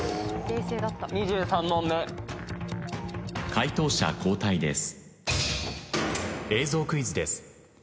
解答者交代です。